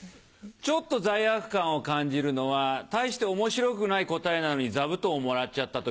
ちょっと罪悪感を感じるのは大して面白くない答えなのに座布団をもらっちゃった時。